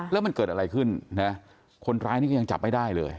แล้วมันเกิดอะไรขึ้นนะคนร้ายนี่ก็ยังจับไม่ได้เลย